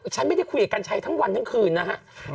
ฉันไม่ได้คุยกับกัญชัยทั้งวันทั้งคืนนะฮะ